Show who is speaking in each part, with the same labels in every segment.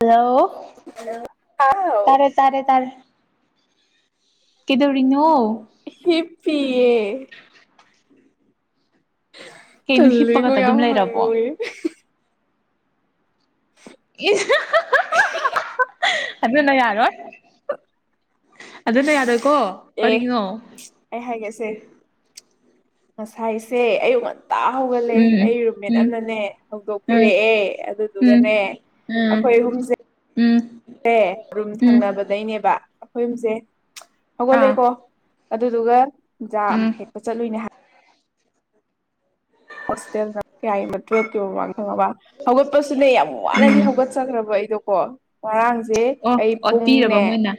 Speaker 1: hello
Speaker 2: ꯍꯥꯎ
Speaker 1: ꯇꯥꯔꯦ ꯇꯥꯔꯦ ꯇꯥꯔꯦ ꯀꯩꯗꯧꯔꯤꯅꯣ
Speaker 2: ꯍꯦꯄꯑ
Speaker 1: ꯀꯩꯅꯣ
Speaker 2: ꯇꯜꯒ
Speaker 1: ꯍꯤꯞꯄꯒꯇ ꯑꯗꯨꯝ
Speaker 2: ꯌꯥꯎ ꯍꯪ
Speaker 1: ꯂꯩꯔꯕꯣ
Speaker 2: ꯑꯣꯏꯣꯏ
Speaker 1: ꯏ ꯑꯗꯨꯅ ꯌꯥꯔꯣꯏ ꯑꯗꯨꯅ ꯌꯥꯔꯣꯏꯀꯣ
Speaker 2: ꯑꯦ
Speaker 1: ꯀꯔꯤꯅꯣ
Speaker 2: ꯑꯩ ꯍꯥꯏꯒꯁꯦ ꯉꯁꯥꯏꯁꯦ ꯑꯌꯨꯛ ꯉ ꯇꯥ ꯍꯧꯒꯠꯂꯦ
Speaker 1: ꯎꯝ
Speaker 2: ꯑꯩ ꯔꯨꯝꯃꯦꯠ
Speaker 1: ꯎꯝ
Speaker 2: ꯑꯃꯅꯅꯦ
Speaker 1: ꯎꯝ
Speaker 2: ꯍꯧꯗꯣꯛꯄꯤꯔꯛꯑꯦ ꯑꯗꯨꯗꯨꯒꯅꯦ
Speaker 1: ꯎꯝ ꯎꯝ
Speaker 2: ꯑꯦꯦ ꯔꯨꯝ
Speaker 1: ꯎꯝ
Speaker 2: ꯊꯪꯅꯕꯗꯩꯅꯦꯕ ꯑꯩꯈꯣꯏ ꯌꯨꯝꯁꯦ
Speaker 1: ꯑꯥ
Speaker 2: ꯍꯧꯒꯠꯂꯦꯀꯣ ꯑꯗꯨꯗꯨꯒ ꯖꯥ
Speaker 1: ꯎꯝ
Speaker 2: ꯍꯦꯛꯄ ꯆꯠꯂꯨꯅꯦ ꯍꯥꯏ ꯍꯣꯁꯇꯦꯜꯅ ꯀꯌꯥ ꯑꯃ ꯇ꯭ꯔꯦꯠꯀꯤꯣ ꯋꯥ ꯈꯪꯉꯕ ꯍꯧꯒꯠꯄꯁꯨꯅꯦ ꯌꯥꯝ ꯋꯥꯅꯗꯤ
Speaker 1: ꯎꯝ
Speaker 2: ꯍꯧꯒꯠꯆꯈ꯭ꯔꯕ ꯑꯩꯗꯣꯀꯣ ꯉꯔꯥꯡꯁꯦ
Speaker 1: ꯑꯣ
Speaker 2: ꯑꯩ
Speaker 1: ꯑꯣꯠꯄꯤꯔꯕ
Speaker 2: ꯄꯨꯡꯅꯦ
Speaker 1: ꯃꯣꯏꯅ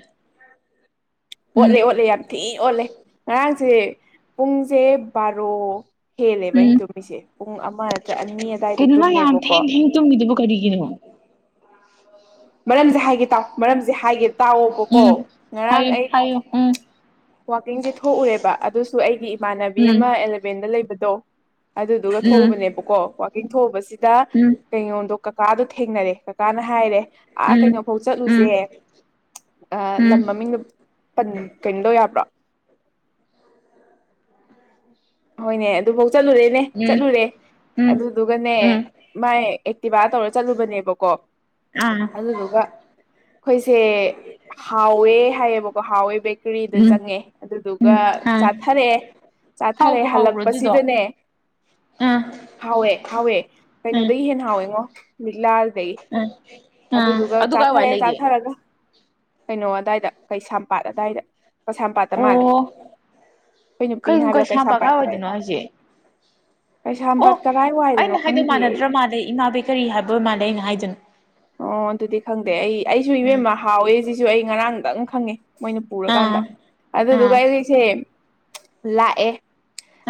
Speaker 1: ꯎꯝ
Speaker 2: ꯑꯣꯠꯂꯦ ꯑꯣꯠꯂꯦ ꯌꯥꯝ ꯊꯤ ꯑꯣꯠꯂꯦ ꯉꯔꯥꯡꯁꯦ ꯄꯨꯡꯁꯦ ꯕꯥꯔꯣ ꯍꯦꯜꯂꯦꯕ
Speaker 1: ꯎꯝ
Speaker 2: ꯑꯩꯅ ꯇꯨꯝꯃꯤꯁꯦ ꯄꯨꯡ ꯑꯃ ꯅꯠꯇ꯭ꯔ ꯑꯅꯤ ꯑꯋꯥꯏꯗ ꯇꯨꯝꯃꯦꯕꯀꯣ
Speaker 1: ꯇꯒꯤꯗꯨꯕꯨ ꯀꯔꯤꯒꯤꯅꯣ
Speaker 2: ꯃꯔꯝꯁꯦ ꯍꯥꯏꯒꯦ ꯇꯥꯎ ꯃꯔꯝꯁꯦ ꯍꯥꯏꯒꯦ ꯇꯥꯛꯑꯣꯕꯀꯣ ꯉꯔꯥꯡ ꯑꯩ
Speaker 1: ꯍꯥꯏꯣ ꯎꯝ
Speaker 2: ꯋꯥꯋꯥꯛꯀꯤꯡꯁꯦ ꯊꯣꯛꯎꯔꯦꯕ ꯑꯗꯨꯁꯨ ꯑꯩꯒꯤ ꯏꯃꯥꯟꯅꯕꯤ
Speaker 1: ꯎꯝ
Speaker 2: ꯑꯃ ꯑꯦꯂꯚꯦꯟꯗ ꯂꯩꯕꯗꯣ ꯑꯗꯨꯗꯨꯒ
Speaker 1: ꯎꯝ
Speaker 2: ꯊꯣꯛꯎꯕꯅꯦꯕꯀꯣ ꯋꯥꯋꯥꯛꯀꯤꯡ ꯊꯎꯕꯁꯤꯗ
Speaker 1: ꯎꯝ
Speaker 2: ꯀꯩꯅꯣꯗꯣ ꯀꯀꯥꯗꯣ ꯊꯦꯡꯅꯔꯦ ꯀꯀꯥꯅ ꯍꯥꯏꯔꯦ ꯑꯥ
Speaker 1: ꯎꯝ
Speaker 2: ꯀꯩꯅꯣꯐꯧ
Speaker 1: ꯎꯝ
Speaker 2: ꯆꯠꯂꯨꯁꯦ
Speaker 1: ꯎꯝ ꯎꯝ
Speaker 2: ꯂꯝ ꯃꯃꯤꯡꯗ ꯀꯩꯅꯣꯗꯧ ꯌꯥꯕ꯭ꯔꯣ ꯎ ꯍꯣꯏꯅꯦ ꯑꯗꯨꯐꯥꯎ ꯆꯠꯂꯨꯔꯦꯅꯦ
Speaker 1: ꯎꯝ
Speaker 2: ꯆꯠꯂꯨꯔꯦ
Speaker 1: ꯎꯝ
Speaker 2: ꯑꯗꯨꯗꯨꯒꯅꯦ
Speaker 1: ꯎꯝ
Speaker 2: ꯃꯥꯏ ꯑꯦꯛꯇꯤꯚꯥ ꯇꯧꯔ ꯆꯠꯂꯨꯕꯅꯦꯕꯀꯣ
Speaker 1: ꯑꯥ
Speaker 2: ꯑꯗꯨꯗꯨꯒ ꯑꯩꯈꯣꯏꯁꯦ ꯍꯥꯎꯋꯦ ꯍꯥꯏꯌꯦꯕꯀꯣ ꯍꯥꯎꯋꯦ ꯕꯦꯀꯔꯤꯗ
Speaker 1: ꯎꯝ
Speaker 2: ꯆꯪꯉꯦ ꯑꯗꯨꯗꯨꯒ
Speaker 1: ꯎꯝ ꯑꯥ
Speaker 2: ꯆꯥꯊꯔꯛꯑꯦ ꯆꯥꯊꯔꯦ
Speaker 1: ꯍꯥꯎꯕ ꯍꯥꯎꯕ꯭ꯔꯣ ꯑꯗꯨꯗꯣ
Speaker 2: ꯍꯜꯂꯛꯄꯁꯤꯗꯅꯦ
Speaker 1: ꯑꯥ
Speaker 2: ꯍꯥꯎꯋꯦ ꯍꯥꯎꯋꯦ
Speaker 1: ꯎꯝ
Speaker 2: ꯀꯩꯅꯣꯗꯒꯤ ꯍꯦꯟꯅ ꯍꯥꯎꯋꯦꯉꯣ ꯂꯤꯛꯂꯥ
Speaker 1: ꯎꯝ ꯑꯥ
Speaker 2: ꯑꯗꯨꯗꯨꯒ
Speaker 1: ꯑꯗꯨ ꯀꯥꯏꯋꯥꯏ
Speaker 2: ꯆꯥꯊꯔꯦ
Speaker 1: ꯂꯩꯒꯦ
Speaker 2: ꯆꯥꯊꯔꯒ ꯀꯩꯅꯣ ꯑꯗꯥꯋꯥꯏꯗ ꯀꯩꯁꯥꯝꯄꯥꯠ ꯑꯋꯥꯏꯗ ꯀꯩꯁꯥꯝꯄꯥꯠꯇ
Speaker 1: ꯑꯣ
Speaker 2: ꯃꯥꯜꯂꯦ ꯑꯩꯈꯣꯏ ꯅꯨꯄꯤꯅ
Speaker 1: ꯀꯩꯅꯣ
Speaker 2: ꯍꯥꯏꯕꯥ
Speaker 1: ꯀꯩꯁꯥꯝꯄꯥꯠ ꯀꯥꯏ
Speaker 2: ꯀꯩꯁꯥꯝꯄꯥꯠꯇ
Speaker 1: ꯋꯥꯏꯗꯅꯣ ꯍꯥꯏꯁꯦ
Speaker 2: ꯀꯩꯁꯥꯝꯄꯥꯠ ꯀꯗꯥꯥꯏ ꯋꯥꯏꯗꯅꯣ ꯈꯪꯗꯦ ꯑꯩ
Speaker 1: ꯃꯥ ꯂꯩ ꯏꯃꯥꯕꯩ ꯀꯔꯤ ꯍꯥꯏꯕ ꯃꯥꯜ ꯂꯩ ꯑꯩꯅ ꯍꯥꯏꯗꯅ
Speaker 2: ꯑꯣ ꯑꯗꯨꯗꯤ ꯈꯪꯗꯦ ꯑꯩ ꯑꯩꯁꯨ
Speaker 1: ꯎꯝ
Speaker 2: ꯏꯕꯦꯝꯃ ꯍꯥꯎꯋꯦ ꯁꯤꯁꯨ ꯑꯩ ꯉꯔꯥꯡꯗꯪ ꯈꯪꯉꯦ ꯃꯣꯏꯅ ꯄꯨꯔꯀꯥꯟꯗ
Speaker 1: ꯑꯥ ꯑꯥ
Speaker 2: ꯑꯗꯨꯗꯨꯒ ꯑꯩꯈꯩꯁꯦ ꯂꯥꯛꯑꯦ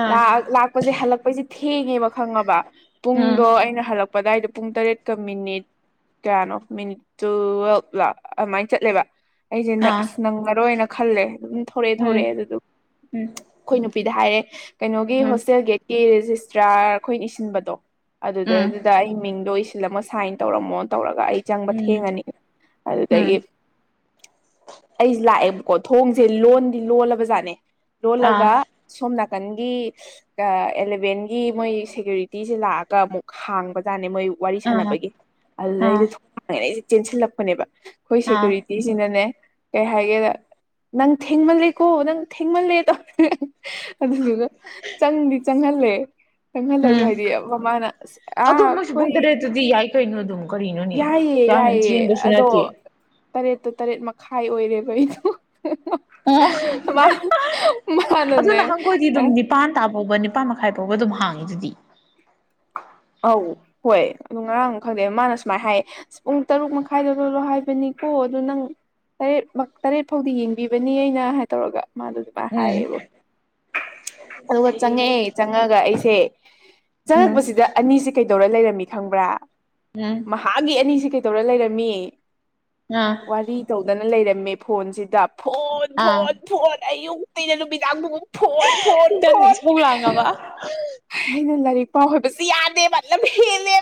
Speaker 1: ꯑꯥ
Speaker 2: ꯂꯥꯛꯄꯁꯦ ꯍꯜꯂꯛꯄꯩꯁꯦ ꯊꯦꯡꯉꯦꯕ ꯈꯪꯉꯕ
Speaker 1: ꯎꯝ
Speaker 2: ꯄꯨꯡꯗꯣ ꯑꯩꯅ ꯍꯜꯂꯛꯄ ꯑꯗꯨꯏꯗ ꯄꯨꯡ ꯇꯔꯦꯠꯀ ꯃꯤꯅꯤꯠ ꯀꯌꯥꯅꯣ ꯃꯤꯅꯤꯠ ꯇꯨꯋꯦꯜꯕ ꯂ ꯑꯗꯨꯃꯥꯏꯅ ꯆꯠꯂꯦꯕ ꯑꯩꯁꯦ
Speaker 1: ꯑꯥ
Speaker 2: ꯑꯁ ꯅꯪꯉꯔꯣꯏꯅ ꯈꯜꯂꯦ ꯑꯗꯨꯝ ꯊꯂꯛꯑꯦ
Speaker 1: ꯎꯝ
Speaker 2: ꯊꯂꯛꯑꯦ ꯑꯗꯨꯗꯨ
Speaker 1: ꯎꯝ
Speaker 2: ꯑꯩꯈꯣꯏ ꯅꯨꯄꯤꯗ ꯍꯥꯏꯔꯦ ꯀꯩꯅꯣꯒꯤ
Speaker 1: ꯎꯝ
Speaker 2: ꯍꯣꯁꯇꯦꯜ ꯒꯦꯠꯀꯤ ꯔꯦꯖꯤꯁꯇ꯭ꯔꯥꯔ ꯑꯩꯈꯣꯏꯅ ꯏꯁꯤꯟꯕꯗꯣ
Speaker 1: ꯎꯝ
Speaker 2: ꯑꯗꯨꯗꯗꯨꯗ ꯑꯩ ꯃꯤꯡꯗꯣ ꯏꯁꯤꯜꯂꯝꯃ ꯁꯥꯏꯟ ꯇꯧꯔꯝꯃꯣꯅ ꯇꯧꯔꯒ ꯑꯩ ꯆꯪꯕ
Speaker 1: ꯎꯝ
Speaker 2: ꯊꯦꯡꯉꯅꯤ
Speaker 1: ꯎꯝ
Speaker 2: ꯑꯗꯨꯗꯒꯤ ꯑꯩꯁ ꯂꯥꯛꯑꯦꯕꯀꯣ ꯊꯣꯡꯁꯦ ꯂꯣꯟꯗꯤ ꯂꯣꯜꯂꯕ ꯖꯥꯠꯅꯦ
Speaker 1: ꯑꯥ
Speaker 2: ꯂꯣꯜꯂꯒ ꯁꯣꯝ ꯅꯥꯀꯟꯒꯤ ꯑꯦꯂꯚꯦꯟꯒꯤ ꯃꯣꯏ ꯁꯦꯀ꯭ꯌꯨꯔꯤꯇꯤꯁꯦ ꯂꯥꯛꯑꯒ ꯑꯃꯨꯛ ꯍꯥꯡꯕꯖꯥꯅꯦ ꯃꯣꯏ ꯋꯥꯔꯤ
Speaker 1: ꯑꯥ
Speaker 2: ꯁꯥꯟꯅꯕꯒꯤ ꯑꯗꯨꯗ
Speaker 1: ꯑꯥ
Speaker 2: ꯑꯩꯗ ꯊꯣꯡꯥꯡꯉꯦꯅ ꯑꯩꯁꯦ ꯆꯦꯟꯁꯤꯜꯂꯛꯄꯅꯦꯕ ꯑꯩꯈꯣꯏ
Speaker 1: ꯑꯥ
Speaker 2: ꯁꯦꯀ꯭ꯌꯨꯔꯤꯇꯤ ꯁꯤꯤꯁꯤꯅꯅꯦ ꯀꯩ ꯍꯥꯏꯒꯦꯗ ꯅꯪ ꯊꯦꯡꯃꯜꯂꯦꯀꯣ ꯅꯪ ꯊꯦꯡꯃꯜꯂꯦ ꯇꯧꯔ ꯑꯗꯨꯗꯨꯅ ꯆꯪꯗꯤ ꯆꯪꯍꯜꯂꯦ ꯆꯪꯍꯜꯂꯁꯨ
Speaker 1: ꯎꯝ
Speaker 2: ꯍꯥꯏꯗꯤ ꯃꯃꯥꯅ ꯑꯁ ꯑꯥ ꯑꯩꯈꯣꯏ
Speaker 1: ꯑꯗꯨꯗꯤ ꯌꯥꯏ ꯀꯩꯅꯣ ꯑꯗꯨꯝ ꯀꯔꯤꯅꯣꯅꯦ
Speaker 2: ꯌꯥꯏꯌꯦ
Speaker 1: ꯀꯌꯥꯝ ꯍꯦꯟꯅ ꯊꯦꯡꯕꯁꯨ ꯅꯠꯇꯦ
Speaker 2: ꯇꯔꯦꯠꯇꯨ ꯇꯔꯦꯠ ꯃꯈꯥꯏ ꯑꯣꯏꯔꯦꯕ ꯑꯩꯗꯣ
Speaker 1: ꯑꯣ
Speaker 2: ꯃꯥ
Speaker 1: ꯑꯗꯨ
Speaker 2: ꯃꯥꯅꯅꯦ
Speaker 1: ꯅꯍꯥꯟꯈꯣꯏꯗꯤ ꯑꯗꯨꯝ ꯅꯤꯄꯥꯟ ꯇꯥ ꯐꯥꯎꯕ ꯅꯤꯄꯥꯥꯟ ꯃꯈꯥꯏ ꯐꯥꯎꯕ ꯑꯗꯨꯝ ꯍꯥꯡꯉꯤ ꯑꯗꯨꯗꯤ
Speaker 2: ꯑꯧ ꯍꯣꯏ ꯑꯗꯨ ꯉꯔꯥꯡ ꯑꯃ ꯈꯪꯗꯦ ꯃꯥꯅ ꯁꯨꯃꯥꯏꯅ ꯍꯥꯏ ꯑ ꯄꯨꯡ ꯇꯔꯨꯛ ꯃꯈꯥꯏꯗ ꯂꯣꯏꯂꯣ ꯍꯥꯏꯕꯅꯤꯀꯣ ꯑꯗꯨꯗꯣ ꯅꯪ ꯇꯔꯦꯠꯃꯛ ꯇꯔꯦꯠ ꯐꯥꯎꯗꯤ ꯌꯦꯡꯕꯤꯕꯅꯤ ꯑꯩꯅ ꯍꯥꯏ ꯇꯧꯔꯒ ꯃꯥꯗꯨ
Speaker 1: ꯎꯝ
Speaker 2: ꯑꯗꯨꯒ ꯆꯪꯉꯛꯑꯦ ꯆꯪꯉꯑꯒ ꯑꯩꯁꯦ
Speaker 1: ꯎꯝ
Speaker 2: ꯆꯪꯉꯛꯄꯁꯤꯗ ꯑꯅꯤꯁꯦ ꯀꯩꯗꯧꯔ ꯂꯩꯔꯝꯃꯤ ꯈꯪꯕ꯭ꯔꯥ
Speaker 1: ꯎꯝ
Speaker 2: ꯃꯍꯥꯒꯤ ꯑꯅꯤꯁꯤ ꯀꯩꯗꯧꯔ ꯂꯩꯔꯝꯃꯤ
Speaker 1: ꯑꯥ
Speaker 2: ꯋꯥꯔꯤ ꯇꯧꯗꯅ ꯂꯩꯔꯝꯃꯦ ꯐꯣꯟꯁꯤꯗ ꯐꯣꯟ
Speaker 1: ꯑꯥ
Speaker 2: ꯐꯣꯟ ꯐꯣꯟ ꯑꯌꯨꯛꯇꯩꯅ ꯅꯨꯃꯤꯗꯥꯡꯐꯥꯎ ꯐꯣꯟ ꯐꯣꯟ
Speaker 1: ꯅꯪꯅ
Speaker 2: ꯐꯣꯟ
Speaker 1: ꯏꯁꯧ ꯂꯥꯡꯉꯕ
Speaker 2: ꯑꯩꯅ ꯂꯥꯏꯔꯤꯛ ꯄꯥꯎ ꯍꯣꯏꯕꯁꯤ ꯌꯥꯗꯦꯕ ꯂꯝ ꯍꯦꯜꯂꯦ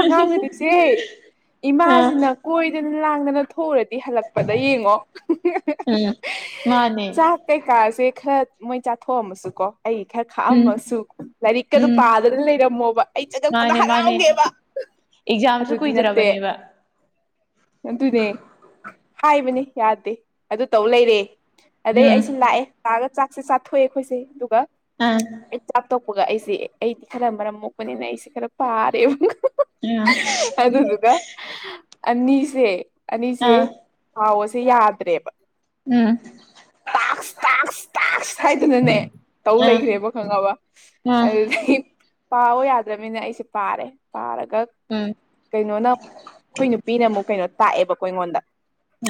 Speaker 2: ꯑꯉꯥꯡ ꯑꯅꯤꯁꯦ
Speaker 1: ꯑꯥ
Speaker 2: ꯏꯃꯥꯁꯤꯅ ꯀꯣꯏꯗꯅ ꯂꯥꯡꯗꯅ ꯊꯣꯛꯎꯔꯗꯤ ꯍꯜꯂꯛ ꯄꯗ ꯌꯦꯡꯉꯣ
Speaker 1: ꯎꯝ ꯃꯥꯅꯦ
Speaker 2: ꯆꯥꯛ ꯀꯩꯀꯥꯁꯦ ꯈꯔ ꯃꯣꯏ ꯆꯥꯊꯣꯛꯑꯝꯃꯁꯨ ꯀꯣ ꯑꯩ ꯈꯔ
Speaker 1: ꯎꯝ
Speaker 2: ꯈꯥꯛꯑꯝꯃꯁꯨ ꯂꯥꯏꯔꯤꯛꯀꯗꯨ
Speaker 1: ꯎꯝ
Speaker 2: ꯄꯥꯗꯅ ꯂꯩꯔꯝꯃꯣꯕ ꯑꯩ ꯆꯉꯛꯄꯗ
Speaker 1: ꯃꯥꯅꯦ ꯃꯥꯅꯦ
Speaker 2: ꯍꯔꯥꯎꯒꯦꯕ
Speaker 1: ꯑꯦꯛꯖꯥꯝꯁꯨ
Speaker 2: ꯑꯗꯨꯗꯤ ꯅꯠꯇꯦ
Speaker 1: ꯀꯨꯏꯗ꯭ꯔꯕꯅꯦꯕ
Speaker 2: ꯑꯗꯨꯅꯦ ꯍꯥꯏꯕꯅꯦ ꯌꯥꯗꯦ ꯑꯗꯨ ꯇꯧ ꯂꯩꯔꯦ ꯑꯗꯩ
Speaker 1: ꯎꯝ
Speaker 2: ꯑꯩꯁꯦ ꯂꯥꯛꯑꯦ ꯂꯥꯛꯑꯒ ꯆꯥꯛꯁꯦ ꯆꯥꯊꯣꯛꯑꯦ ꯑꯩꯈꯣꯏꯁꯦ ꯑꯗꯨꯒ
Speaker 1: ꯑꯥ
Speaker 2: ꯑꯩ ꯆꯥꯛ ꯇꯣꯛꯄꯒ ꯑꯩꯁꯦ ꯑꯩꯗꯤ ꯈꯔ ꯃꯔꯝ ꯃꯣꯛꯄꯅꯤꯅ ꯑꯩꯁꯦ ꯈꯔ ꯄꯥꯔꯦꯕ
Speaker 1: ꯎꯝ
Speaker 2: ꯑꯗꯨꯗꯨꯒ ꯑꯅꯤꯁꯦ ꯑꯅꯤꯁꯦ
Speaker 1: ꯑꯥ
Speaker 2: ꯄꯥꯑꯣꯁꯦ ꯌꯥꯗ꯭ꯔꯦꯕ
Speaker 1: ꯑꯥ
Speaker 2: ꯇꯥꯛꯁ ꯇꯥꯛꯁ ꯍꯥꯏꯗꯅꯅꯦ ꯇꯧ
Speaker 1: ꯑꯥ
Speaker 2: ꯂꯩꯈ꯭ꯔꯦꯕ ꯈꯪꯉꯕ
Speaker 1: ꯑꯥ
Speaker 2: ꯑꯗꯨꯗꯤ ꯄꯥꯕ ꯌꯥꯗ꯭ꯔꯅꯤꯅ ꯑꯩꯁꯦ ꯄꯥꯔꯦ ꯄꯥꯔꯒ
Speaker 1: ꯎꯝ
Speaker 2: ꯀꯩꯅꯣꯅ ꯑꯩꯈꯣꯏ ꯅꯨꯄꯤꯅ ꯑꯃꯨꯛ ꯀꯩꯅꯣ ꯇꯥꯛꯑꯦꯕꯀꯣ ꯑꯩꯉꯣꯟꯗ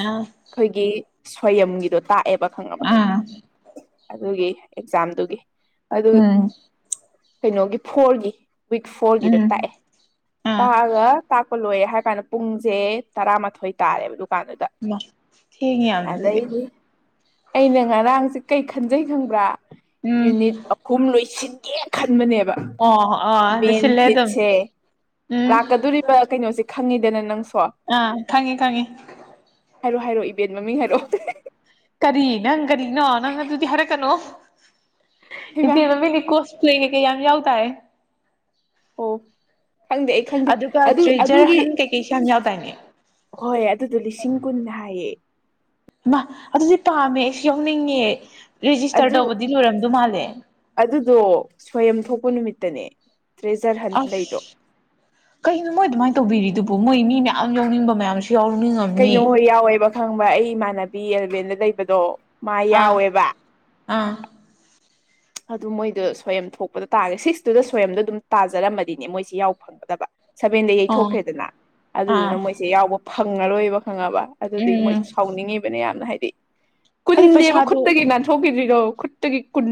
Speaker 1: ꯑꯥ
Speaker 2: ꯑꯩꯈꯣꯏꯒꯤ ꯁꯣꯌꯝꯒꯤꯗꯣ ꯇꯥꯛꯑꯦꯕ ꯈꯪꯉꯕ
Speaker 1: ꯑꯥ
Speaker 2: ꯑꯗꯨꯒꯤ ꯑꯦꯛꯖꯥꯝꯗꯨꯒꯤ ꯑꯗꯨ
Speaker 1: ꯎꯝ
Speaker 2: ꯀꯩꯅꯣꯒꯤ ꯐꯣꯔꯒꯤ ꯋꯤꯛ ꯐꯣꯔꯒꯤꯗꯣ
Speaker 1: ꯎꯝ
Speaker 2: ꯇꯥꯛꯑꯦ
Speaker 1: ꯑꯥ
Speaker 2: ꯇꯥꯛꯑꯒ ꯇꯥꯛꯄ ꯂꯣꯏꯔꯦ ꯍꯥꯏꯔ ꯀꯥꯟꯗ ꯄꯨꯡꯁꯦ ꯇꯔꯥꯃꯥꯊꯣꯏ ꯇꯥꯔꯦꯕ ꯄꯥꯗꯗ
Speaker 1: ꯃꯥ ꯊꯦꯡꯉꯦ ꯌꯥꯝꯅ ꯑꯗꯨꯗꯤ
Speaker 2: ꯑꯗꯩꯗꯤ ꯑꯩꯅ ꯉꯔꯥꯡꯁꯦ ꯀꯩ ꯈꯟꯖꯩ ꯈꯪꯕ꯭ꯔꯥ
Speaker 1: ꯎꯝ
Speaker 2: ꯌꯨꯅꯤꯠ ꯑꯍꯨꯝ ꯂꯣꯏꯁꯤꯟꯒꯦ ꯈꯟꯕꯅꯦꯕ
Speaker 1: ꯑꯣ ꯑꯣ
Speaker 2: ꯃꯦꯟ
Speaker 1: ꯂꯣꯏꯁꯤꯜꯂꯦ ꯑꯗꯨꯝ
Speaker 2: ꯐꯤꯠꯁꯦ
Speaker 1: ꯎꯝ
Speaker 2: ꯂꯥꯛꯀꯗꯣꯔꯤꯕ ꯀꯩꯅꯣꯁꯦ ꯈꯪꯉꯦꯗꯅ ꯅꯪꯁꯨ
Speaker 1: ꯑ ꯈꯪꯉꯤ ꯈꯉꯤ
Speaker 2: ꯍꯥꯏꯔꯛꯑꯣ ꯍꯥꯏꯔꯛꯑꯣ ꯏꯕꯦꯟ ꯃꯃꯤꯡ ꯍꯥꯏꯔꯛꯑꯣ
Speaker 1: ꯀꯔꯤ ꯅꯪ ꯀꯔꯤꯅꯣ ꯅꯪ ꯑꯗꯨꯗꯤ ꯍꯥꯏꯔꯛꯀꯅꯣ
Speaker 2: ꯍꯩꯃꯥ
Speaker 1: ꯏꯇꯦ ꯃꯃꯤꯡꯅꯤ ꯀꯣ [unintelligible] ꯌꯥꯝ ꯌꯥꯎꯇꯥꯢ
Speaker 2: ꯑꯣ ꯈꯪꯗꯦ ꯑꯩ ꯈꯪꯗꯦ
Speaker 1: ꯑꯗꯨꯒ
Speaker 2: ꯑꯗꯨ
Speaker 1: ꯇ꯭ꯔꯦꯖꯔ
Speaker 2: ꯑꯗꯨꯒꯤ
Speaker 1: ꯍꯟ ꯀꯩꯀꯩꯁꯨ ꯌꯥꯝ ꯌꯥꯎꯗꯥꯏꯅꯦ
Speaker 2: ꯍꯣꯏ ꯑꯗꯨꯗꯣ ꯂꯤꯁꯤꯡ ꯀꯨꯟꯅꯤ ꯍꯥꯏꯌꯦ
Speaker 1: ꯏꯃꯥ ꯑꯗꯨꯗꯤ ꯄꯥꯝꯃꯦ ꯑꯩꯁꯨ ꯌꯥꯎꯅꯤꯡꯉꯦ ꯔꯦꯖꯤꯁꯇꯔ
Speaker 2: ꯑꯗꯨ
Speaker 1: ꯇꯧꯕꯗꯤ ꯂꯣꯏꯔꯝꯗꯣꯏ ꯃꯥꯜꯂꯦ
Speaker 2: ꯑꯗꯨꯗꯣ ꯁꯣꯌꯝ ꯊꯣꯛꯄ ꯅꯨꯃꯤꯠꯇꯅꯦ ꯇ꯭ꯔꯦꯖꯔ ꯍꯟ ꯂꯩꯗꯣ
Speaker 1: ꯑꯁ ꯀꯅꯣ ꯃꯣꯏ ꯑꯗꯨꯃꯥꯏꯅ ꯇꯧꯕꯤꯔꯤꯗꯨꯕꯣ ꯃꯣꯏ ꯃꯤ ꯃꯌꯥꯝ ꯌꯥꯎꯅꯤꯡꯕ ꯃꯌꯥꯝꯁꯨ ꯌꯥꯎꯅꯤꯡꯉ
Speaker 2: ꯀꯩꯅꯣ ꯍꯣꯏ ꯌꯥꯎꯋꯦꯕ ꯈꯪꯕ ꯑꯩ ꯏꯃꯥꯟꯅꯕꯤ ꯑꯦꯂꯚꯦꯟꯗ ꯂꯩꯕꯗꯣ ꯃꯥ
Speaker 1: ꯑꯥ
Speaker 2: ꯌꯥꯎꯋꯦꯕ
Speaker 1: ꯑꯥ
Speaker 2: ꯑꯗꯨ ꯃꯣꯏꯗꯣ ꯁꯣꯌꯝ ꯊꯣꯛꯄꯗ ꯇꯥꯔꯦ ꯁꯤꯛꯁꯇꯨꯗ ꯁꯣꯌꯝꯗꯣ ꯑꯗꯨꯝ ꯇꯥꯖꯔꯝꯃꯗꯤꯅꯦ ꯃꯣꯏꯁꯦ ꯌꯥꯎꯕ ꯐꯪꯒꯗꯕ ꯁꯚꯦꯟꯗ
Speaker 1: ꯑꯣ
Speaker 2: ꯌꯩꯊꯣꯛꯈ꯭ꯔꯦꯗꯅ
Speaker 1: ꯑꯥ
Speaker 2: ꯑꯗꯨꯗꯨꯅ ꯃꯣꯏꯁꯦ ꯌꯥꯎꯕ ꯐꯪꯉꯔꯣꯏꯕ ꯈꯪꯉꯕ ꯑꯗꯨꯗꯨꯒꯤ ꯃꯣꯏ
Speaker 1: ꯎꯝ
Speaker 2: ꯁꯥꯎꯅꯤꯡꯉꯤꯕꯅꯦ ꯌꯥꯝꯅ ꯍꯥꯏꯗꯤ
Speaker 1: ꯑꯩ
Speaker 2: ꯀꯨꯟꯅꯦꯕ
Speaker 1: ꯄꯩꯁꯥꯗꯨ
Speaker 2: ꯈꯨꯠꯇꯒꯤ ꯅꯥꯟꯊꯣꯛꯈ꯭ꯔꯤꯁꯤ ꯈꯨꯠꯇꯒꯤ ꯀꯨꯟ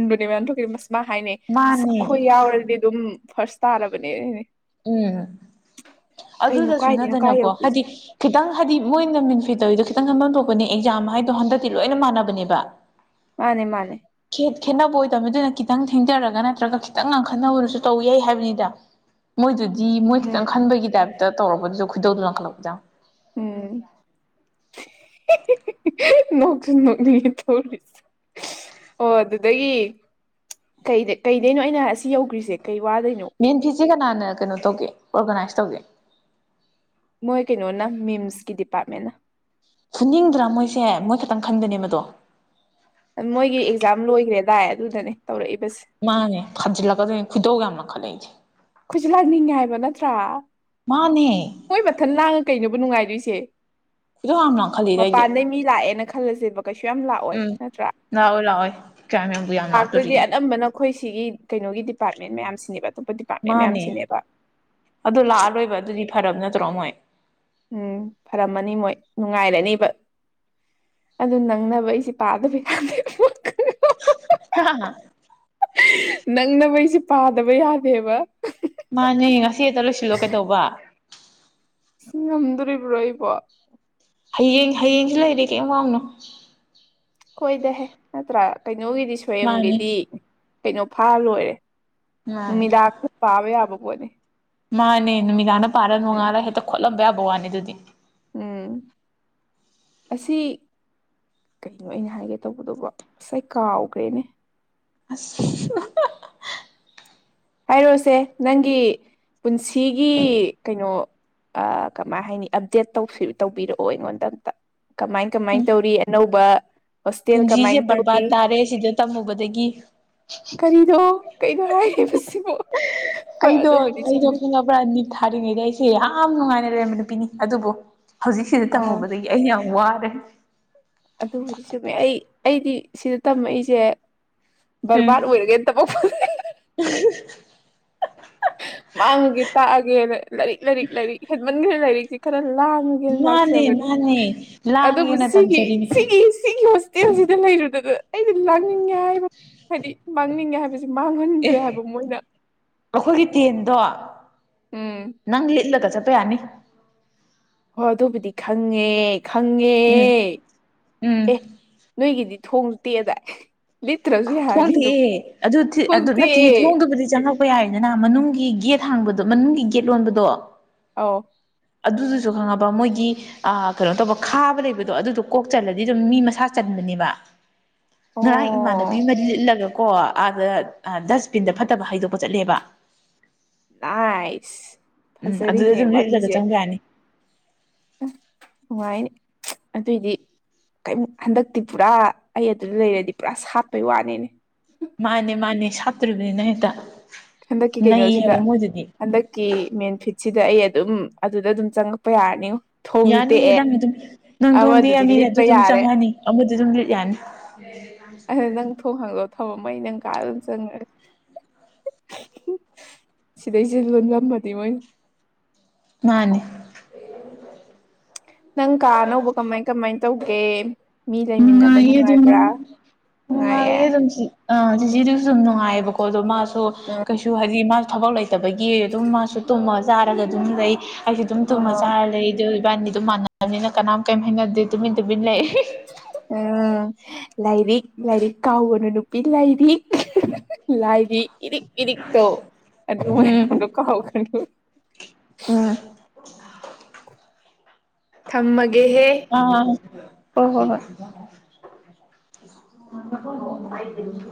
Speaker 2: ꯑꯁ ꯃꯥ ꯍꯥꯏꯅꯩ ꯑꯁ
Speaker 1: ꯃꯥꯅꯦ
Speaker 2: ꯑꯩꯈꯣꯏ ꯌꯥꯎꯔꯗꯤ ꯑꯗꯨꯝ ꯐꯥꯔꯁ ꯇꯥꯔꯕꯅꯦꯅꯦ
Speaker 1: ꯎꯝ ꯑꯗꯨꯗꯁꯨ
Speaker 2: ꯀꯥꯏꯗꯩꯅꯣ ꯀꯥꯏ
Speaker 1: ꯅꯠꯇꯅꯀꯣ
Speaker 2: ꯌꯧꯈ꯭ꯔꯤꯁꯦ
Speaker 1: ꯍꯥꯏꯗꯤ ꯈꯤꯇꯪ ꯍꯥꯏꯗꯤ ꯃꯣꯏꯅ ꯃꯤꯟꯐꯤꯠ ꯇꯧꯔꯤꯗꯣ ꯈꯤꯇꯪ ꯍꯝꯐꯝ ꯊꯣꯛꯄꯅꯦ ꯑꯦꯛꯖꯥꯝ ꯍꯥꯏꯗꯣ ꯍꯟꯗꯛꯇꯤ ꯂꯣꯏꯅ ꯃꯥꯟꯅꯕꯅꯦꯕ
Speaker 2: ꯃꯥꯅꯦ ꯃꯥꯅꯦ
Speaker 1: ꯈꯦꯠꯅꯕ ꯑꯣꯏꯗꯕꯅꯤ ꯑꯗꯨꯅ ꯈꯤꯇꯪ ꯊꯦꯡꯖꯔꯒ ꯅꯠꯇ꯭ꯔꯒ ꯈꯤꯇꯪ ꯉꯥꯡꯈꯠꯅꯕꯗꯨꯁꯨ ꯇꯧ ꯌꯥꯏ ꯍꯥꯏꯕꯅꯤꯗ ꯃꯣꯏꯗꯨꯗꯤ ꯃꯣꯏ ꯈꯤꯇꯪ
Speaker 2: ꯎꯝ
Speaker 1: ꯈꯟꯕꯒꯤ ꯇꯥꯏꯞꯇ ꯇꯧꯛꯔꯕꯗꯨꯗꯁꯨ ꯈꯣꯏꯗꯧꯗꯨ ꯂꯪꯈꯠꯂꯛꯄꯗꯪ
Speaker 2: ꯎꯝ
Speaker 1: [unintelligible]
Speaker 2: ꯅꯣꯛꯁꯨ ꯅꯣꯛꯅꯤꯡꯉꯦ ꯊꯧꯔꯤ ꯑꯣ ꯑꯗꯨꯗꯒꯤ ꯀꯩ ꯀꯩꯗꯩꯅꯣ ꯑꯩꯅ ꯑꯁꯤ ꯌꯧꯈ꯭ꯔꯤꯁꯦ ꯀꯩ ꯋꯥꯗꯣꯏꯅꯣ
Speaker 1: ꯃꯦꯟ ꯐꯤꯁꯦ ꯀꯅꯥꯅ ꯀꯩꯅꯣ ꯇꯧꯒꯦ ꯑꯣꯔꯒꯅꯥꯏꯁ ꯇꯧꯒꯦ
Speaker 2: ꯃꯣꯏ ꯀꯩꯅꯣꯅ ꯃꯤꯝꯁꯀꯤ ꯗꯤꯄꯥꯔꯠꯃꯦꯟꯅ
Speaker 1: ꯐꯨꯅꯤꯡꯗ꯭ꯔꯥ ꯃꯣꯏꯁꯦ ꯃꯣꯏ ꯈꯛꯇꯪ ꯈꯪꯗꯅꯦꯕꯗꯣ
Speaker 2: ꯃꯣꯏꯒꯤ ꯑꯦꯛꯖꯥꯝ ꯂꯣꯏꯈ꯭ꯔꯦꯗꯥꯏ ꯑꯗꯨꯗꯅꯦ ꯇꯧꯔꯛꯏꯕꯁꯦ
Speaker 1: ꯃꯥꯅꯦ ꯐꯥꯖꯤꯜꯂꯛꯀꯗꯣꯏꯅꯦ ꯈꯣꯏꯗꯧ ꯌꯥꯝ ꯃꯈ ꯃꯈꯜꯂꯛꯏꯁꯦ
Speaker 2: ꯈꯣꯏꯁꯨ ꯂꯥꯛꯅꯤꯡꯉꯦ ꯍꯥꯏꯕ ꯅꯠꯇ꯭ꯔꯥ
Speaker 1: ꯃꯥꯅꯦ
Speaker 2: ꯍꯣꯏ ꯃꯊꯟ ꯂꯥꯡꯉ ꯀꯩꯅꯕꯨ ꯅꯨꯡꯉꯥꯏꯗꯣꯏꯁꯦ
Speaker 1: ꯈꯨꯗꯧ ꯌꯥꯝ ꯂꯪꯈꯠꯂꯤꯗ ꯑꯩꯗꯤ
Speaker 2: ꯃꯄꯥꯟꯗꯩ ꯃꯤ ꯂꯥꯛꯑꯦꯅ ꯈꯜꯂꯁꯦꯕ ꯀꯩꯁꯨ ꯌꯥꯝ ꯂꯥꯛꯑꯣꯏ
Speaker 1: ꯎꯝ
Speaker 2: ꯅꯠꯇ꯭ꯔꯥ
Speaker 1: ꯂꯥꯛꯑꯣꯏ ꯂꯥꯛꯑꯣꯏ ꯀꯌꯥꯝ ꯌꯥꯝꯕꯨ ꯌꯥꯝ
Speaker 2: ꯂꯥꯛꯇꯣꯏꯗꯤ
Speaker 1: ꯂꯥꯛꯇꯣꯔꯤꯒꯦ
Speaker 2: ꯑꯅꯝꯕꯅ ꯑꯩꯈꯣꯏ ꯁꯤꯒꯤ ꯀꯩꯅꯣꯒꯤ ꯗꯤꯄꯥꯔꯠꯃꯦꯟ ꯃꯌꯥꯝꯁꯤꯅꯦꯕ ꯑꯇꯣꯞꯄ ꯗꯤꯄꯥꯔꯠꯃꯦꯟ
Speaker 1: ꯃꯥꯅꯦ
Speaker 2: ꯃꯌꯥꯝꯁꯤꯅꯦꯕ
Speaker 1: ꯑꯗꯨ ꯂꯥꯛꯑ ꯂꯣꯏꯕ ꯑꯗꯨꯗꯤ ꯐꯔꯕ ꯅꯠꯇ꯭ꯔꯣ ꯃꯣꯏ
Speaker 2: ꯎꯝ ꯐꯔꯝꯃꯅꯤ ꯃꯣꯏ ꯅꯨꯡꯉꯥꯏꯔꯅꯤꯕ ꯑꯗꯨ ꯅꯪꯅꯕ ꯑꯩꯁꯦ ꯄꯥꯗꯕ ꯌꯥꯗꯦ
Speaker 1: [unintelligible]
Speaker 2: ꯅꯪꯅ ꯃꯩꯁꯦ ꯄꯥꯗꯕ ꯌꯥꯗꯦꯕ
Speaker 1: ꯃꯥꯅꯦ ꯉꯁꯤ ꯑꯦꯛꯇ ꯂꯣꯏꯁꯤꯜꯂꯣ ꯀꯩꯗꯧꯕ
Speaker 2: ꯉꯝꯗꯣꯔꯤꯕ꯭ꯔꯣ ꯑꯩꯕꯣ
Speaker 1: ꯍꯌꯦꯡ ꯍꯌꯦꯡꯁꯤ ꯂꯩꯔꯦ ꯀꯩ ꯋꯥꯡꯅꯣ
Speaker 2: ꯍꯣꯏꯗꯍꯦ ꯅꯠꯇ꯭ꯔꯥ ꯀꯩꯅꯣꯒꯤꯗꯤ
Speaker 1: ꯃꯥꯅꯦ
Speaker 2: ꯁ꯭ꯝꯒꯤꯗꯤ ꯀꯩꯅꯣ ꯐꯥ ꯂꯣꯏꯔꯦ
Speaker 1: ꯃꯥꯅꯦ
Speaker 2: ꯅꯨꯃꯤꯗꯥ ꯄꯥꯕꯦ ꯌꯥꯕꯕꯣꯅꯦ
Speaker 1: ꯃꯥꯅꯦ ꯅꯨꯃꯤꯗꯥꯡꯗ ꯄꯥꯔ
Speaker 2: ꯎꯝ
Speaker 1: ꯅꯣꯡꯉꯥꯜꯂ ꯍꯦꯛꯇ ꯈꯣꯠꯂꯝꯕ ꯌꯥꯕ ꯋꯥꯅꯤ ꯑꯗꯨꯗꯤ
Speaker 2: ꯎꯝ ꯑꯁꯤ ꯀꯩꯅꯣ ꯑꯩꯅ ꯍꯥꯏꯒꯦ ꯇꯧꯕꯗꯧꯕ ꯉꯁꯥꯏ ꯀꯥꯎꯈ꯭ꯔꯦꯅꯦ
Speaker 1: ꯑꯁ
Speaker 2: ꯍꯥꯏꯔꯣꯁꯦ ꯅꯪꯒꯤ ꯄꯨꯟꯁꯤꯒꯤ ꯀꯩꯅꯣ ꯀꯃꯥꯏ ꯍꯥꯏꯅꯤ ꯑꯞꯗꯦꯠ ꯇꯧꯕꯤꯔꯛꯑꯣ ꯑꯩꯉꯣꯟꯗ ꯑꯝꯇ ꯀꯃꯥꯏ ꯀꯃꯥꯏ ꯇꯧꯔꯤ ꯑꯅꯧꯕ ꯍꯣꯁꯇꯦꯜ
Speaker 1: ꯄꯨꯟꯁꯤꯁꯦ
Speaker 2: ꯀꯃꯥꯏꯅ ꯇꯧꯏ
Speaker 1: ꯕꯔꯕꯥꯠ ꯇꯥꯔꯦ ꯁꯤꯗ ꯇꯝꯃꯨꯕꯗꯒꯤ
Speaker 2: ꯀꯔꯤꯅꯣ ꯀꯩꯅꯣ ꯍꯥꯏ [unintelligible] ꯍꯣꯏ
Speaker 1: ꯑꯩꯗꯣ
Speaker 2: ꯑꯗꯨꯕꯨꯗꯤ
Speaker 1: ꯑꯩꯗꯣ
Speaker 2: ꯆꯨꯝꯃꯦ
Speaker 1: ꯈꯪꯉꯕ꯭ꯔꯥ ꯅꯤꯠ ꯊꯥꯔꯤꯉꯩꯗ ꯑꯩꯁꯦ ꯌꯥꯝ ꯅꯨꯡꯉꯥꯏꯅ ꯂꯩꯔꯝꯕ ꯅꯨꯄꯤꯅꯤ ꯑꯗꯨꯕꯨ ꯍꯧꯖꯤꯛꯁꯤꯗ
Speaker 2: ꯑꯥ
Speaker 1: ꯇꯝꯃꯨꯕꯗꯒꯤ ꯑꯩ ꯌꯥꯝ ꯋꯥꯔꯦ
Speaker 2: ꯑꯗꯨꯕꯨꯗꯤ ꯆꯨꯝꯃꯦ ꯑꯩ ꯑꯩꯗꯤ ꯁꯤꯗ ꯇꯝꯃꯛꯏꯁꯦ
Speaker 1: ꯎꯝ
Speaker 2: ꯕꯔꯕꯥꯔꯗ ꯑꯣꯏꯔꯒꯦ [unintelligible] ꯃꯥꯡꯉꯒꯦ ꯇꯥꯛꯑꯒꯦ ꯂꯥꯏꯔꯤꯛ ꯂꯥꯏꯔꯤꯛ ꯂꯥꯏꯔꯤꯛ ꯍꯦꯟꯃꯟꯈ꯭ꯔꯦ ꯂꯥꯏꯛꯁꯤ ꯈꯔ ꯂꯥꯝ
Speaker 1: ꯃꯥꯅꯦ
Speaker 2: ꯂꯥꯛꯆꯕꯅꯤ
Speaker 1: ꯃꯥꯅꯦ
Speaker 2: ꯑꯗꯕꯨ
Speaker 1: ꯂꯥꯡꯉꯦꯅ
Speaker 2: ꯁꯤꯒꯤ
Speaker 1: ꯇꯝꯖꯔꯤꯅꯤ
Speaker 2: ꯁꯤ ꯁꯤ ꯍꯇꯦꯜꯁꯤꯗ ꯂꯩꯔꯨꯗꯗ ꯑꯩꯗꯤ ꯃꯥꯡꯅꯤꯡꯉꯦ ꯍꯥꯏꯕ ꯍꯥꯏꯗꯤ ꯃꯥꯡꯅꯤꯡꯉꯦ ꯍꯥꯏꯕꯁꯤ
Speaker 1: ꯑꯦ
Speaker 2: ꯃꯥꯡꯍꯟꯗ꯭ꯔꯦ ꯍꯥꯏꯕ ꯃꯣꯏꯅ
Speaker 1: ꯑꯩꯈꯣꯏꯒꯤ ꯇꯦꯟꯗꯣ
Speaker 2: ꯎꯝ
Speaker 1: ꯅꯪ ꯂꯤꯠꯂꯒ ꯆꯠꯄ ꯌꯥꯅꯤ
Speaker 2: ꯍ ꯑꯗꯨꯕꯨꯗꯤ ꯈꯪꯉꯦ ꯈꯪꯉꯦ
Speaker 1: ꯎꯝ ꯎꯝ
Speaker 2: ꯑꯦ ꯅꯣꯏꯒꯤꯗꯤ ꯊꯣꯡꯇꯦ ꯑꯗꯥꯏ ꯂꯤꯇ꯭ꯔꯁꯨ
Speaker 1: ꯊꯣꯡꯗꯦꯑꯦ ꯑꯗꯨ ꯑꯗꯨ ꯅꯠꯇꯦ
Speaker 2: ꯇꯦꯛꯑꯦ
Speaker 1: ꯊꯣꯡꯗꯕꯨꯗꯤ ꯆꯪꯉꯛ ꯄ ꯌꯥꯏꯗꯅ ꯃꯅꯨꯡꯒꯤ ꯒꯦꯠ ꯍꯥꯡꯕꯗꯣ ꯃꯅꯨꯡꯒꯤ ꯒꯦꯠ ꯂꯣꯟꯕꯗꯣ
Speaker 2: ꯑꯧ
Speaker 1: ꯑꯗꯨꯗꯨꯁꯨ ꯈꯪꯉꯕ ꯃꯣꯏꯒꯤ ꯑ ꯀꯩꯅꯣ ꯇꯧꯕ ꯈꯥꯕ ꯂꯩꯕꯗꯣ ꯑꯗꯨꯗꯣ ꯀꯣꯛ ꯆꯜꯂꯗꯤ ꯑꯗꯨꯝ ꯃꯤ ꯃꯁꯥ ꯆꯟꯕꯅꯦꯕ
Speaker 2: ꯑꯣ
Speaker 1: ꯉꯔꯥꯡ ꯏꯃꯅꯗꯤ ꯃ [unintelligible] ꯆꯠꯇꯒ [unintelligible] ꯀꯣ ꯑꯥꯗ ꯗꯁꯕꯤꯟꯗ ꯐꯠꯇꯕ ꯍꯥꯏꯩꯗꯣꯛꯄ ꯆꯠꯂꯦꯕ
Speaker 2: ꯑꯩꯁ
Speaker 1: ꯎꯝ ꯑꯗꯨꯗ
Speaker 2: ꯐꯖꯔꯤꯅꯦ
Speaker 1: ꯑꯗꯨꯝ ꯂꯤꯠꯂꯒ
Speaker 2: ꯋꯥꯔꯤꯁꯦ
Speaker 1: ꯆꯪꯕ ꯌꯥꯅꯤ
Speaker 2: ꯑꯁ ꯅꯨꯡꯉꯥꯏꯔꯤ ꯑꯗꯨꯏꯗꯤ ꯀꯩꯝ ꯍꯟꯗꯛꯇꯤ ꯄꯨꯔꯥ ꯑꯩ ꯑꯗꯨꯗ ꯂꯩꯔꯗꯤ ꯄꯨꯔꯥ ꯁꯥꯠꯄꯩ ꯋꯥꯅꯤꯅꯦ
Speaker 1: ꯃꯥꯅꯦ ꯃꯥꯅꯦ ꯁꯥꯠꯇ꯭ꯔꯤꯕꯅꯤꯅ ꯍꯦꯛꯇ ꯅꯩꯌꯦꯕ ꯃꯣꯏꯗꯨꯗꯤ
Speaker 2: ꯀꯤ ꯃꯦꯟꯐꯤꯠꯁꯤꯗ ꯑꯩ ꯑꯗꯨꯝ ꯑꯗꯨꯗ ꯑꯗꯨꯝ ꯆꯪꯉꯛꯄ ꯌꯥꯔꯅꯤꯉꫭ
Speaker 1: ꯌꯥꯅꯤꯌꯦ ꯅꯪ ꯑꯗꯨꯝ [unintelligible] ꯅꯅꯨꯡ
Speaker 2: ꯑꯃꯗꯨꯗꯤ
Speaker 1: ꯊꯣꯡꯕꯤꯔꯅꯤꯅ ꯑꯗꯨ
Speaker 2: ꯂꯤꯠꯄ
Speaker 1: ꯑꯗꯨꯝ
Speaker 2: ꯌꯥꯔꯦ
Speaker 1: ꯆꯪꯉꯅꯤ ꯑꯃꯗꯤ ꯑꯗꯨꯝ ꯂꯤꯠ ꯌꯥꯅꯤ ꯎꯝ [unintelligible]
Speaker 2: ꯑꯗꯨ ꯅꯪ ꯊꯣꯡ ꯍꯥꯡꯇꫭꯛ ꯊꯕꯛꯃꯩ [unintelligible] ꯅꯪ ꯀꯥ ꯑꯗꯨꯝ ꯆꯪꯉꯦ ꯁꯤꯗꯩꯁ‌ꯦ ꯂꯣꯟꯂꯝꯃꯗꯤ ꯃꯣꯏ
Speaker 1: ꯃꯥꯅꯦ
Speaker 2: ꯅꯪ ꯀꯥ ꯑꯅꯧꯕ ꯀꯃꯥꯏ ꯀꯃꯥꯏ ꯇꯧꯒꯦ ꯃꯤ ꯂꯩꯃꯤꯟꯅꯕ
Speaker 1: ꯅꯨꯡꯉꯥꯏꯌꯦ ꯑꯗꯨꯝ
Speaker 2: ꯅꯨꯡꯉꯥꯏꯕ꯭ꯔꯥ ꯅꯨꯡꯉꯥꯏꯌꯦ
Speaker 1: ꯑ ꯆꯤꯖꯤꯗꯨꯁꯨ ꯑꯗꯨꯨꯝ ꯅꯨꯡꯉꯥꯏꯌꯦꯕꯀꯣ ꯑꯗꯣ ꯃꯥꯁꯨ
Speaker 2: ꯑ
Speaker 1: ꯀꯩꯁꯨ ꯍꯥꯏꯗꯤ ꯃꯥꯁꯨ ꯊꯕꯛ ꯂꯩ ꯇꯕꯒꯤ ꯑꯗꯨꯝ ꯃꯥꯁꯨ ꯇꯨꯝꯃ ꯆꯥꯔꯒ ꯑꯗꯨꯝ ꯂꯩ ꯑꯩꯁꯨ ꯑꯗꯨꯝ ꯇꯨꯝꯃ
Speaker 2: ꯑꯣ
Speaker 1: ꯆꯥꯔ ꯂꯩ ꯑꯗꯨ ꯏꯕꯥꯅꯤꯗꯨꯣ ꯃꯥꯟꯅꯅꯕꯅꯤꯅ ꯀꯅꯥꯝ ꯀꯔꯤꯝ ꯍꯥꯏꯅꯗꯦ ꯇꯨꯃꯤꯟ ꯇꯨꯃꯤꯟ ꯂꯩ
Speaker 2: ꯎꯝ ꯂꯥꯏꯔꯤꯛ ꯂꯥꯏꯔꯤꯛ ꯀꯥꯎꯕꯅꯨ ꯅꯨꯄꯤ ꯂꯥꯏꯔꯤꯛ ꯂꯥꯏꯔꯤꯛ ꯏꯔꯤꯛ ꯏꯔꯤꯛꯛꯇꯣ ꯑꯗꯨ
Speaker 1: ꯎꯝ
Speaker 2: ꯃꯗ [unintelligible] ꯀꯥꯎꯒꯅꯨ
Speaker 1: ꯎꯝ
Speaker 2: ꯊꯝꯃꯒꯦꯍꯦ
Speaker 1: ꯑꯥ ꯍꫭ ꯍꯣ ꯍꯣꯏ